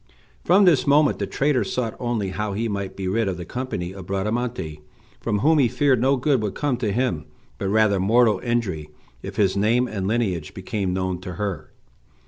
From this moment the traitor sought only how he might be rid of the company of Bradamante, from whom he feared no good would come to him, but rather mortal injury, if his name and lineage became known to her.